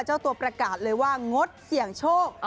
เจ้าตัวประกาศเลยว่างดเสี่ยงโชค